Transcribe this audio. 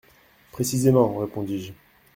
—Précisément, répondis-je.